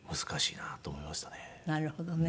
なるほどね。